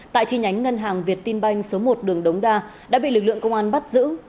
tại chi nhánh ngân hàng việt tin banh số một đường đống đa đã bị lực lượng công an bắt giữ